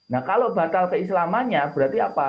nah kalau batal keislamannya berarti apa